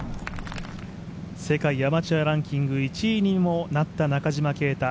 世界アマチュアランキング１位にもなった中島啓太。